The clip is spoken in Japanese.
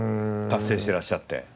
達成していらっしゃって。